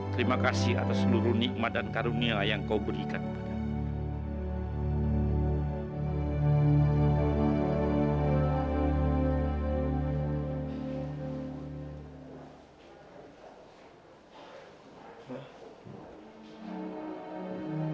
terima kasih atas seluruh nikmat dan karunia yang kau berikan padamu